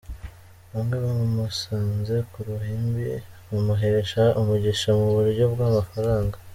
Bamwe bamusanze ku ruhimbi, bamuhesha umugisha mu buryo bw'amafaranga.